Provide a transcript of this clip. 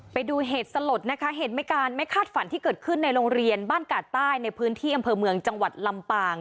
ไปดูเหตุสลดนะคะเหตุไม่การไม่คาดฝันที่เกิดขึ้นในโรงเรียนบ้านกาดใต้ในพื้นที่อำเภอเมืองจังหวัดลำปาง